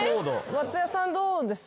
松也さんどうです？